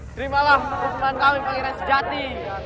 terimalah hukuman kami pangeran sejati